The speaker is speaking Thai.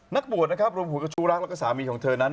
นักบวชนะครับรวมหัวกับชูรักแล้วก็สามีของเธอนั้น